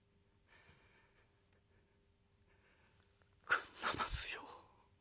「くんなますよ。